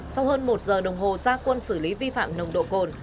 sau hơn một giờ đồng hồ gia quân xử lý vi phạm nồng độ cồn